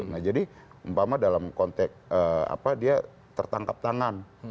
nah jadi umpama dalam konteks apa dia tertangkap tangan